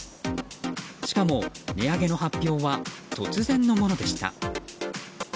しかも値上げの発表は突然のものでした。